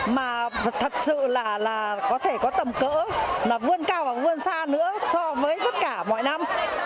mà thật sự là có thể có tầm cỡ mà vươn cao và vươn xa nữa so với tất cả mọi năm